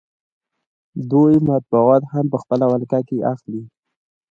دوی مطبوعات هم په خپله ولکه کې اخلي